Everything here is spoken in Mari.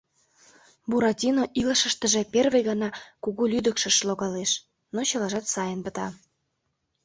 Буратино илышыштыже первый гана кугу лӱдыкшыш логалеш, но чылажат сайын пыта.